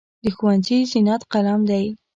د ښوونځي زینت قلم دی.